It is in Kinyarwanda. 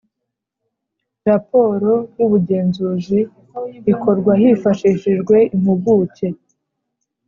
raporo y’ubugenzuzi ikorwa hifashishijwe impuguke